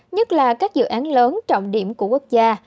nhất là các dự án lớn trọng điểm của quốc gia